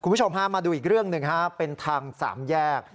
คุณผู้ชมฮะมาดูอีกเรื่องหนึ่งฮะเป็นทางสามแยก